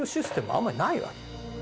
あんまりないわけ。